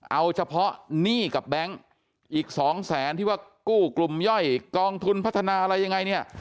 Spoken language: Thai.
เอาเฉพาะหนี้กับแบงค์อีกสองแสนที่ว่ากู้กลุ่มย่อยกองทุนพัฒนาอะไรยังไงเนี่ย